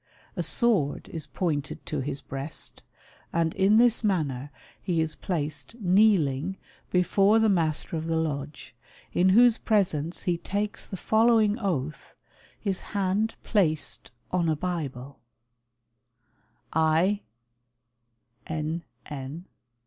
A sword is pointed to his breast, and in this manner he is placed kneeling before the Master of the Lodge, in whose presence he takes the following oath, his hand placed on a Bible : "I, N. N.